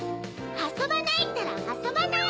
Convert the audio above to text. あそばないったらあそばない！